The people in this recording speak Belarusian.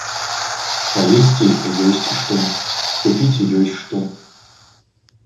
Паесці ёсць што, купіць ёсць што.